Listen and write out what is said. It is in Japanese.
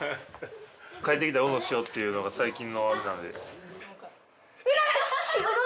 帰ってきたらＵＮＯしようっていうのが最近のあれなんでＵＮＯ！